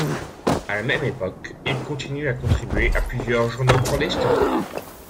À la même époque, il continue à contribuer à plusieurs journaux clandestins.